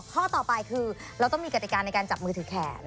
ข้อต่อไปคือเราต้องมีกติการในการจับมือถือแขน